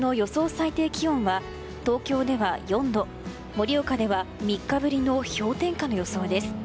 最低気温は東京では４度盛岡では３日ぶりの氷点下の予想です。